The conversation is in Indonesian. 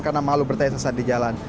karena mahluk bertanya sesat di jalan